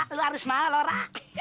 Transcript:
lu harus mahal lora